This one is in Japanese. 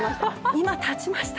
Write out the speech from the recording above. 今、立ちました！